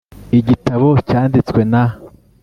Igitabo cyanditswe na